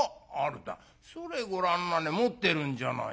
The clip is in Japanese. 「それごらんなね持ってるんじゃないか。